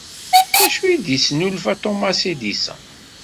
D acu ay d-yesnulfa Thomas Edison?